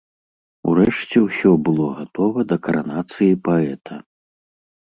Урэшце ўсё было гатова да каранацыі паэта.